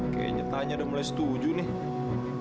kayaknya tanya udah mulai setuju nih